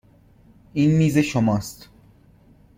این میز شماست.